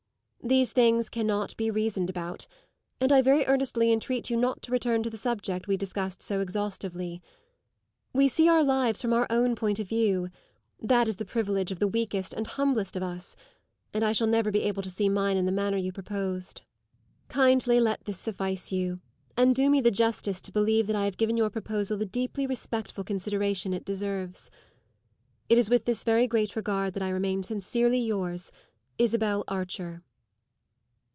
These things cannot be reasoned about, and I very earnestly entreat you not to return to the subject we discussed so exhaustively. We see our lives from our own point of view; that is the privilege of the weakest and humblest of us; and I shall never be able to see mine in the manner you proposed. Kindly let this suffice you, and do me the justice to believe that I have given your proposal the deeply respectful consideration it deserves. It is with this very great regard that I remain sincerely yours, ISABEL ARCHER.